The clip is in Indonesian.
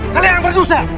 kalian yang berdusta